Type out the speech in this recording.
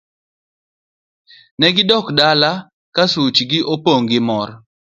Ne gidok dala ka suchgi opong' gi mor.